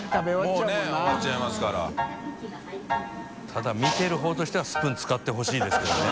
ただ見てる方としてはスプーン使ってほしいですけどね